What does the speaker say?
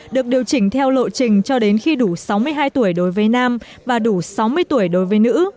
được điều chỉnh theo lộ trình cho đến khi đủ sáu mươi hai tuổi đối với nam và đủ sáu mươi tuổi đối với nữ